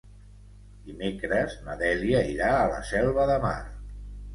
Dimecres na Dèlia irà a la Selva de Mar.